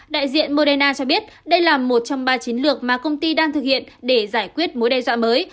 đại diện moderna cho biết đây là một trong ba chiến lược mà công ty đang thực hiện để giải quyết mối đe dọa mới